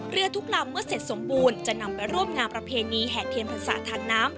ทุกลำเมื่อเสร็จสมบูรณ์จะนำไปร่วมงานประเพณีแห่เทียนพรรษาทางน้ำ